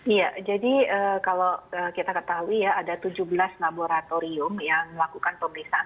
iya jadi kalau kita ketahui ya ada tujuh belas laboratorium yang melakukan pemeriksaan